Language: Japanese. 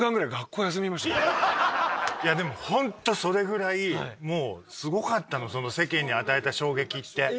いやでもほんとそれぐらいもうすごかったのその世間に与えた衝撃って。